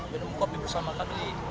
minum kopi bersama kami